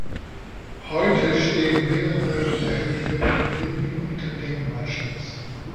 Heute stehen mehrere der Höfe in Witten unter Denkmalschutz.